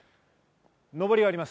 のぼりがあります。